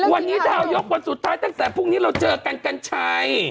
วันนี้ดาวยกวันสุดท้ายตั้งแต่พรุ่งนี้เราเจอกันกัญชัย